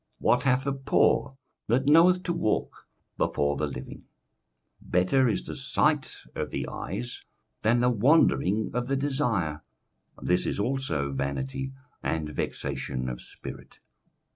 what hath the poor, that knoweth to walk before the living? 21:006:009 Better is the sight of the eyes than the wandering of the desire: this is also vanity and vexation of spirit.